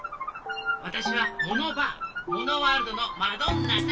わたしはモノバアモノワールドのマドンナさ。